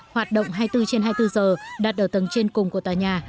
hoạt động hai mươi bốn trên hai mươi bốn giờ đặt ở tầng trên cùng của tòa nhà